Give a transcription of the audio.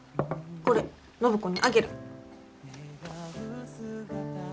これ暢子にあげる。